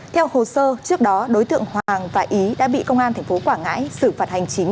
theo hồ sơ trước đó đối tượng hoàng và ý đã bị công an tp quảng ngãi xử phạt hành chính